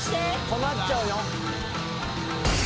困っちゃうよ